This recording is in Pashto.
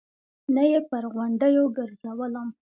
نه يې پر غونډيو ګرځولم.